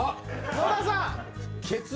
野田さん。